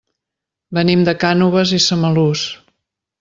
Venim de Cànoves i Samalús.